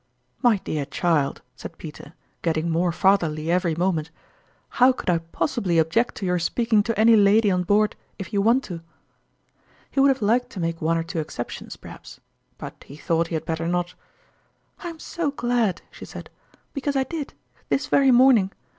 " My dear child," said Peter, getting more fatherly every moment, " how could I possibly object to your speaking to any lady on board if you want to ?" 7 98 ^Tourmalin's QLime He would have liked to make one. or two exceptions perhaps ; but lie thought he had better not. " I am so glad," she said, " because I did this very morning.